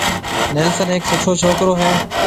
نيلسن ھيَََڪ سُٺو ڇوڪرو ھيََََ